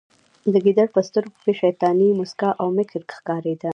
د ګیدړ په سترګو کې شیطاني موسکا او مکر ښکاریده